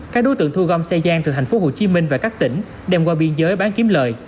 các đối tượng thu gom xe giang từ thành phố hồ chí minh và các tỉnh đem qua biên giới bán kiếm lời